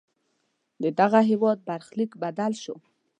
ددغه هېواد برخلیک بدل شو.